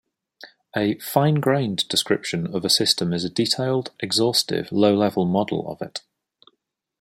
A "fine-grained" description of a system is a detailed, exhaustive, low-level model of it.